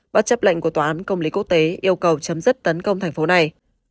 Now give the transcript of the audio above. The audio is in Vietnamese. bất chấp lệnh của tòa án công lý quốc tế yêu cầu chấm dứt tấn công thành phố này